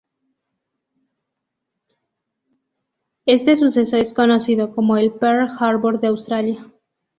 Este suceso es conocido como el "Pearl Harbor de Australia".